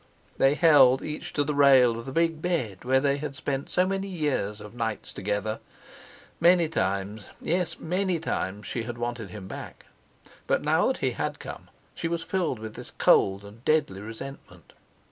They held each to the rail of the big bed where they had spent so many years of nights together. Many times, yes—many times she had wanted him back. But now that he had come she was filled with this cold and deadly resentment.